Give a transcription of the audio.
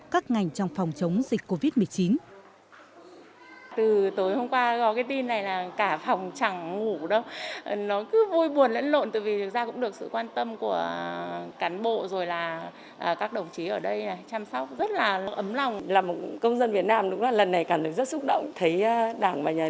các ngành trong phòng chống dịch covid một mươi chín